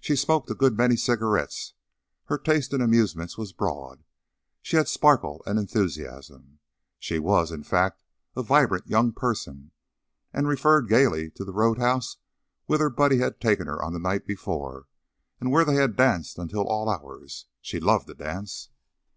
She smoked a good many cigarettes; her taste in amusements was broad; she had sparkle and enthusiasm. She was, in fact, a vibrant young person, and referred gayly to a road house whither Buddy had taken her on the night before and where they had danced until all hours. She loved to dance.